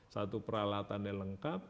satu peralatannya lengkap